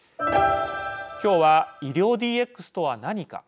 今日は医療ＤＸとは何か。